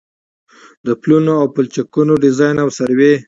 د پلونو او پلچکونو ډيزاين او سروې